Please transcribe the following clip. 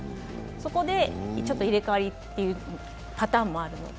そこでちょっと入れ代わりというパターンもあるので。